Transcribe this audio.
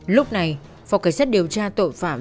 lúc này phó cảnh sát điều tra tội phạm